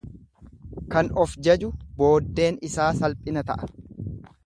Kan of jaju booddeen isaa salphina ta'a.